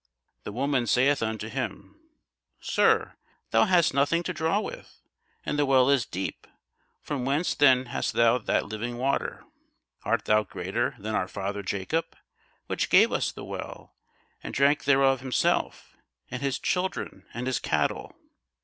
The woman saith unto him, Sir, thou hast nothing to draw with, and the well is deep: from whence then hast thou that living water? Art thou greater than our father Jacob, which gave us the well, and drank thereof himself, and his children, and his cattle?